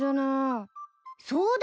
そうだ！